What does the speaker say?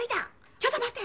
「ちょっと待って。